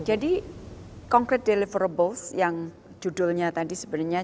concrete deliverables yang judulnya tadi sebenarnya